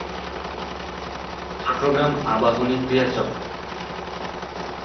চট্টগ্রাম আবাহনী ক্রীড়া চক্র।